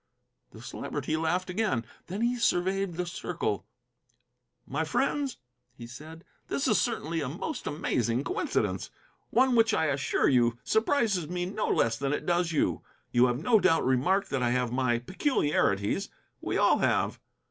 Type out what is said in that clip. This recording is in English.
The Celebrity laughed again. Then he surveyed the circle. "My friends," he said, "this is certainly a most amazing coincidence; one which, I assure you, surprises me no less than it does you. You have no doubt remarked that I have my peculiarities. We all have.